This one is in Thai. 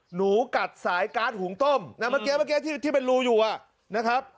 หนูกัดสายการ์ดหุงต้มนะเมื่อกี้เมื่อกี้ที่เป็นรูอยู่อ่ะนะครับ